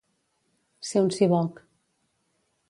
Ser un siboc.